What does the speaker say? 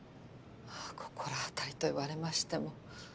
心当たりと言われましても。